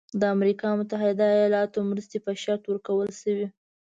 د امریکا د متحده ایالاتو مرستې په شرط ورکول شوی.